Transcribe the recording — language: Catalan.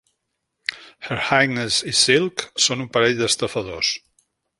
Her Highness i Silk són un parell d'estafadors.